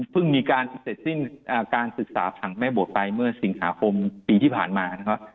มีการเสร็จสิ้นการศึกษาผังแม่บทไปเมื่อสิงหาคมปีที่ผ่านมานะครับ